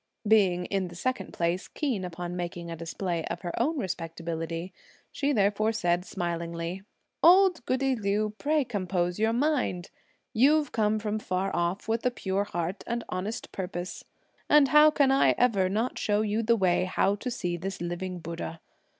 Being in the second place keen upon making a display of her own respectability, she therefore said smilingly: "Old goody Liu, pray compose your mind! You've come from far off with a pure heart and honest purpose, and how can I ever not show you the way how to see this living Buddha?